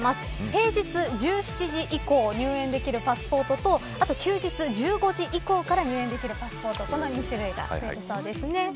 平日１７時以降入園できるパスポートとあと休日１５時以降から入園できるパスポートの２種類が発売されます。